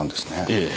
ええ。